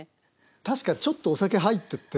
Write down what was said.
確かちょっとお酒入ってて。